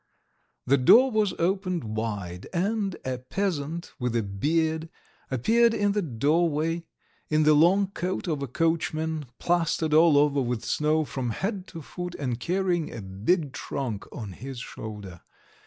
..." The door was opened wide and a peasant with a beard appeared in the doorway, in the long coat of a coachman, plastered all over with snow from head to foot, and carrying a big trunk on his shoulder.